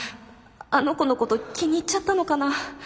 あの子のこと気に入っちゃったのかな。